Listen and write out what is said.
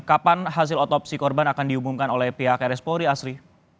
kapan hasil otopsi korban akan diumumkan oleh pihak rs polri asri